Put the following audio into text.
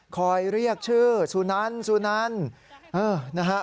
คอยเรียกชื่อสุนันต์สุนันต์